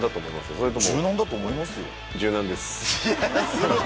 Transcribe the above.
それとも。